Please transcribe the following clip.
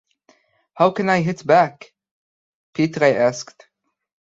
'How can I hit back?' Pitre asked.